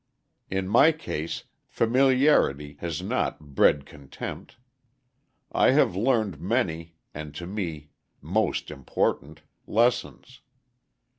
In my case "familiarity" has not "bred contempt." I have learned many, and to me most important, lessons.